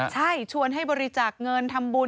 ใช่ชวนให้บริจาคเงินทำบุญ